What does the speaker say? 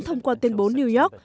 thông qua tuyên bố new york